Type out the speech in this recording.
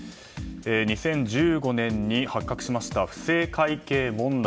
２０１５年に発覚しました不正会計問題。